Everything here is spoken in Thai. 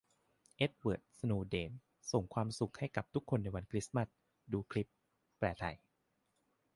เอ็ดเวิร์ด สโนว์เดน ส่งความสุขให้กับทุกคนในวันคริสต์มาส - ดูคลิป : แปลไทย